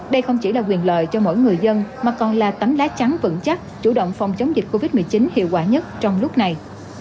đây không chỉ là quyền lợi cho mỗi người dân mà còn là tấm lá chắn vững chắc chủ động phòng chống dịch covid một mươi chín hiệu quả nhất trong lúc này